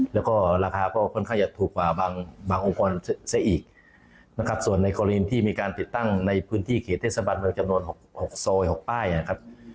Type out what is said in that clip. แล้วก็ราคาก็ค่อนข้างจะถูกกว่าบางองค์กรซะอีกนะครับส่วนในกรณีที่มีการติดตั้งในพื้นที่เขตเทศบาลเมืองจำนวน๖ซอย๖ป้ายนะครับ